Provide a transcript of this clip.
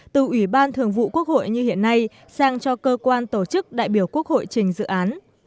từ ủy ban thường vụ quốc hội như hiện nay sang cho cơ quan tổ chức đại biểu quốc hội trình dự án